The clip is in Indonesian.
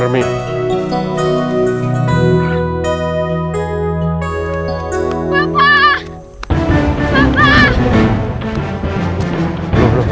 aduh aduh aduh